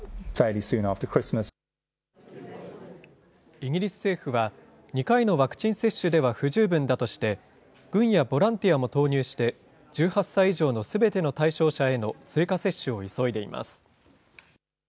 イギリス政府は、２回のワクチン接種では不十分だとして、軍やボランティアも投入して、１８歳以上のすべての対象者への追加接種を急いでいます。